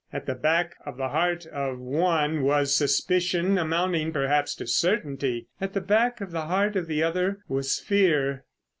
At the back of the heart of one was suspicion amounting perhaps to certainty. At the back of the heart of the other was fear.